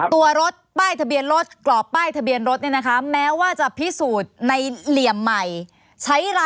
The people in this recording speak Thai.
ตัวรถกรอบแป้งจะพิสูจน์ในเหลี่ยมใหม่